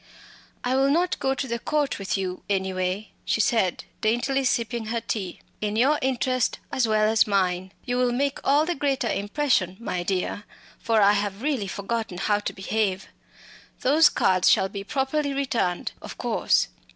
"I will not go to the Court with you anyway," she said, daintily sipping her tea "in your interests as well as mine. You will make all the greater impression, my dear, for I have really forgotten how to behave. Those cards shall be properly returned, of course.